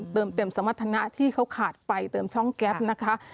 เติมเต็มสมรรถนะที่เขาขาดไปเติมช่องแก๊ปนะคะ